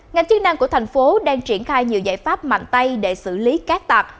ngành chức năng của thành phố đang triển khai nhiều giải pháp mạnh tay để xử lý cát tặc